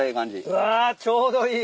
うわちょうどいい。